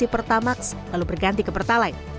pertamax lalu berganti ke pertalite